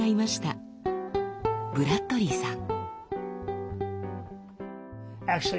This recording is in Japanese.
ブラッドリーさん。